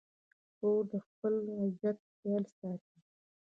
خور د خپل عزت خیال ساتي.